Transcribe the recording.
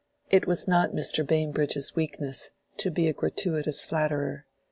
It was not Mr. Bambridge's weakness to be a gratuitous flatterer.